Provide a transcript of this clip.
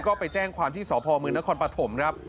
ก็ไปแจ้งความที่สพมนครปฐมครับ